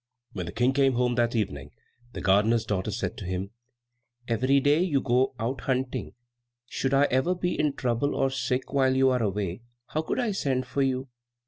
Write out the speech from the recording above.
When the King came home that evening, the gardener's daughter said to him, "Every day you go out hunting. Should I ever be in trouble or sick while you are away, how could I send for you?"